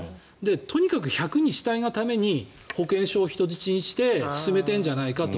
とにかく１００にしたいがために保険証を人質にして進めているんじゃないかと。